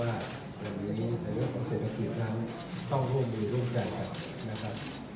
ในเรื่องของเสียงผลิตน้ำต้องร่วมมีร่วมใจกับ